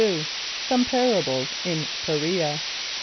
Some Parables in Perea.